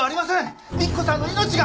三喜子さんの命が！